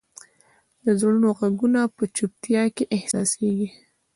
د زړونو ږغونه په چوپتیا کې احساسېږي.